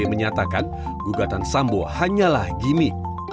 menyatakan gugatan sambo hanyalah gimmick